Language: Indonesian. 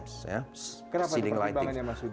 kenapa pertimbangannya mas udh